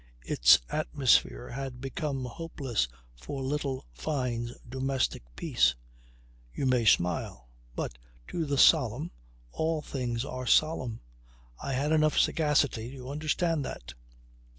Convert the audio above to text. Its atmosphere had become hopeless for little Fyne's domestic peace. You may smile. But to the solemn all things are solemn. I had enough sagacity to understand that.